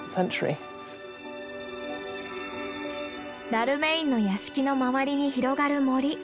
ダルメインの屋敷の周りに広がる森。